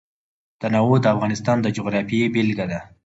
تنوع د افغانستان د جغرافیې بېلګه ده.